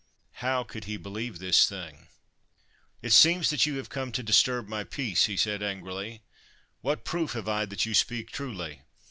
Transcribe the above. How could he believe this thing? ' It seems that you have come to disturb my peace/ he said angrily. 'What proof have I that you speak truly?